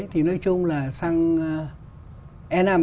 thì nói chung là xăng e năm